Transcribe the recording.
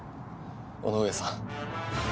尾上さん。